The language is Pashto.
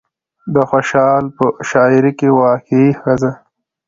د خوشال په شاعرۍ کې واقعي ښځه